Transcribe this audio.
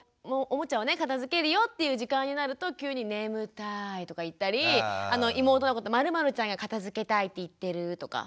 おもちゃをね片づけるよっていう時間になると急に「眠たい」とか言ったり妹のこと「○○ちゃんが片づけたいって言ってる」とか。